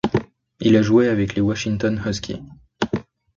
Il a joué avec les Washington Huskies.